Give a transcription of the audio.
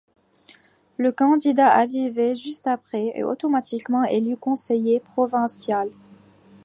Le candidat arrivé juste après est automatiquement élu conseiller provincial.